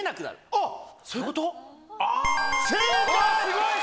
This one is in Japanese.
あっ、そういうこと？